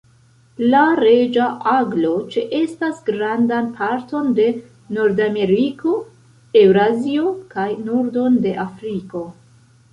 La Reĝa aglo ĉeestas grandan parton de Nordameriko, Eŭrazio kaj nordon de Afriko.